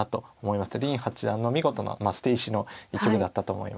林八段の見事な捨て石の一部だったと思います。